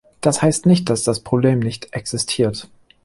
Das heißt nicht, dass das Problem nicht existiert.